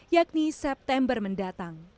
yakni september mendatang